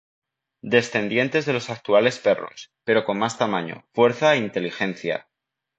Descendientes de los actuales perros, pero con más tamaño, fuerza e inteligencia.